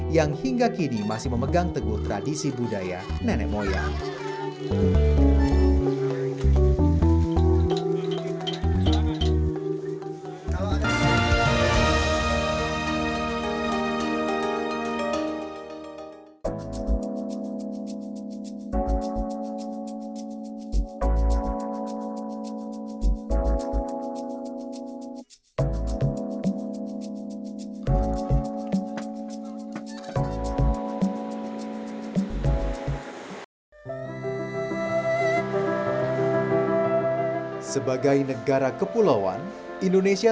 yang hingga kini masih memegang teguh tradisi budaya nenek moya